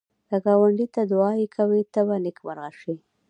که ګاونډي ته دعایې کوې، ته به نېکمرغه شې